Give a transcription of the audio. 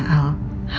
dengan kata katanya al